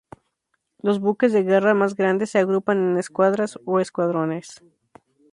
Los buques de guerra más grandes se agrupan en escuadras o escuadrones.